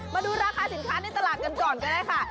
มาดูราคาสินค้าในตลาดกันก่อนก็ได้ค่ะ